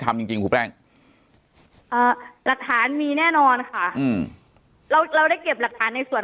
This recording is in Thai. ทำจริงแปลงหลักฐานมีแน่นอนค่ะเราได้เก็บหลักฐานในส่วน